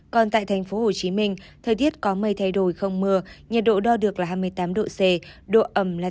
còn tại tp hcm thời tiết có mây thay đổi không mưa nhiệt độ đo được là hai mươi tám độ c độ ẩm là tám mươi chín